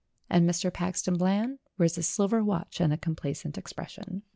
And Mr. Paxton Bland wears a silver watch and a complacent expression.